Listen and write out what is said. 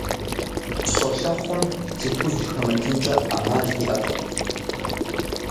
Щолэхъум цы хужь хэмытынкӀэ Ӏэмал иӀэкъым.